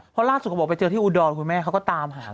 เพราะล่าสุดเขาบอกไปเจอที่อุดรคุณแม่เขาก็ตามหา